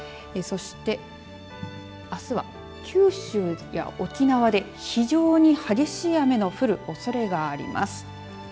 そしてあすは、九州や沖縄で非常に激しい雨の降るおそれがあります。